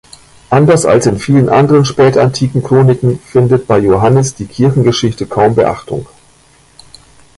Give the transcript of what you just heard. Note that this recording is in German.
Anders als in vielen anderen spätantiken Chroniken, findet bei Johannes die Kirchengeschichte kaum Beachtung.